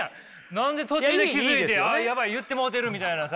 何で途中で気付いてあっやばい言ってもうてるみたいなさ。